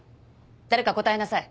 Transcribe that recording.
誰か答えなさい。